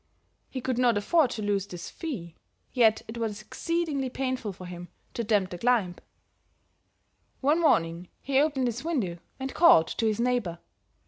He could not afford to lose this fee, yet it was exceedingly painful for him to attempt the climb. "One morning he opened his window and called to his neighbor.